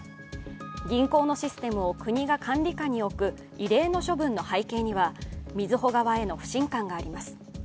銀行のシステムを国が管理下に置く異例の処分の背景にはみずほ側への不信感があります。